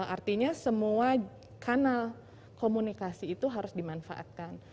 artinya semua kanal komunikasi itu harus dimanfaatkan